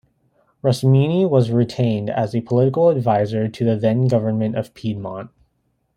Rosmini was retained as a political advisor to the then government of Piedmont.